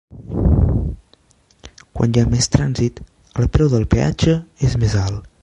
Quan hi ha més trànsit, el preu del peatge és més alt.